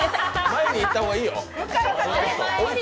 前に行った方がいいよ。